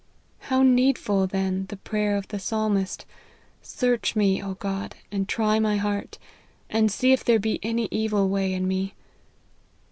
How needful then, the prayer of the Psalmist, ' Search me, O God, and try my heart, and see if there be any evil way in me.'